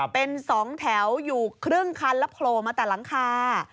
เป็น๒แถวอยู่ครึ่งคันแล้วโผล่มาแต่หลังคา